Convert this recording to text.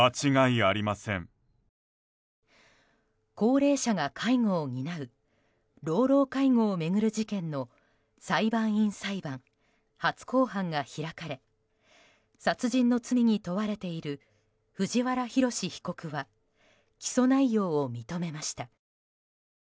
高齢者が介護を担う老老介護を巡る事件の裁判員裁判、初公判が開かれ殺人の罪に問われている藤原宏被告は起訴内容を認めました。